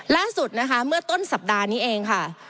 ล่าสุดนะคะเมื่อต้นสัปดาห์นี้เองค่ะ